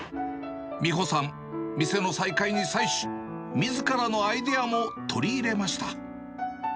美保さん、店の再開に際し、みずからのアイデアも取り入れました。